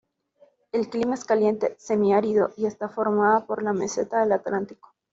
El clima es caliente semi-árido, y está formada por la Meseta del Atlántico.